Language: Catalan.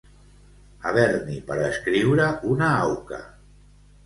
Haver-n'hi per escriure una auca.